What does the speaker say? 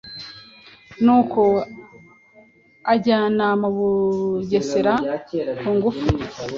nuko anjyana mu Bugesera kungufu.”